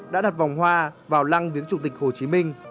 đã đặt vòng hoa vào lăng viếng chủ tịch hồ chí minh